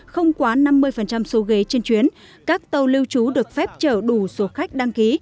không quá năm mươi số ghế trên chuyến các tàu lưu trú được phép chở đủ số khách đăng ký